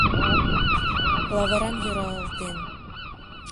Лавырам йӧралтен.